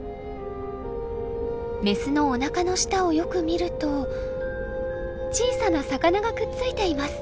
メスのおなかの下をよく見ると小さな魚がくっついています。